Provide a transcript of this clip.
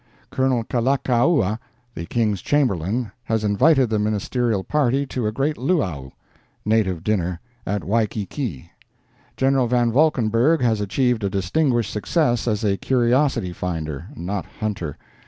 Colonel Kalakaua, the King's Chamberlain, has invited the Ministerial party to a great luau (native dinner) at Waikiki. Gen. Van Valkenburgh has achieved a distinguished success as a curiosity finder—not hunter.